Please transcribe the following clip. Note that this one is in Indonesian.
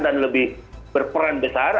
dan lebih berperan besar